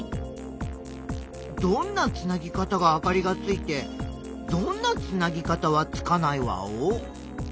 どんなつなぎ方があかりがついてどんなつなぎ方はつかないワオ？